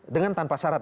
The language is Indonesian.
dengan tanpa syarat